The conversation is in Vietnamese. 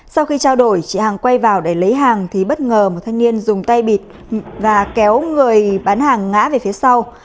sau khi trao đổi chị hằng quay vào để lấy hàng thì bất ngờ một thanh niên dùng tay bịt và kéo người bán hàng ngã về phía sau